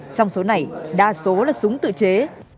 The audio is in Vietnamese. trong số này đa số là súng tự chế